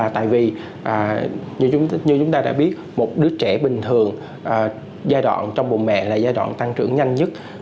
tại vì như chúng ta đã biết một đứa trẻ bình thường giai đoạn trong bù mẹ là giai đoạn tăng trưởng nhanh nhất